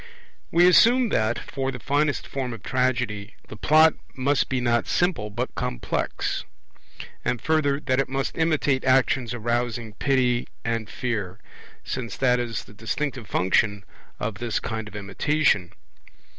We assume that, for the finest form of Tragedy, the Plot must be not simple but complex; and further, that it must imitate actions arousing pity and fear, since that is the distinctive function of this kind of imitation.